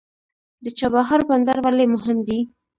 د چابهار بندر ولې مهم دی؟